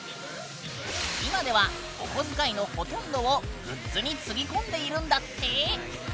今では、お小遣いのほとんどをグッズにつぎ込んでいるんだって。